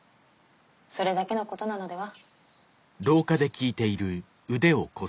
それだけのことなのでは？